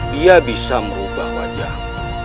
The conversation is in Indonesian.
dia bisa merubah wajahmu